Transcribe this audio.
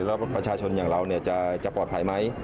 แล้วประชาชนอย่างเราจะปลอดภัยไหม